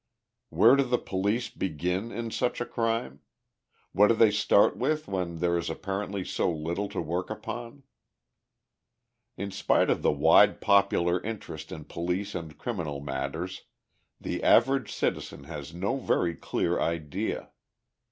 Where do the police begin in such a crime? What do they start with when there is apparently so little to work upon? In spite of the wide popular interest in police and criminal matters, the average citizen has no very clear idea.